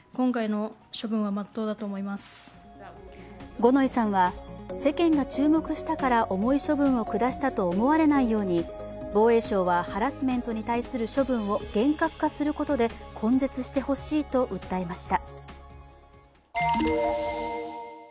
五ノ井さんは、世間が注目したから重い処分を下したと思われないように防衛省はハラスメントに対する処分を厳格化することで根絶してほしいと訴えました。